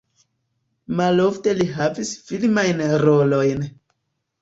Malofte li havis filmajn rolojn.